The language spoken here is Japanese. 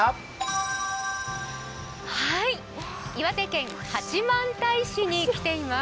岩手県八幡平市に来ています